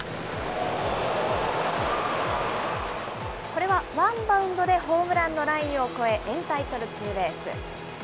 これはワンバウンドでホームランのラインを越え、エンタイトルツーベース。